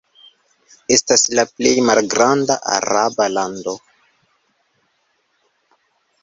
Estas la plej malgranda araba lando.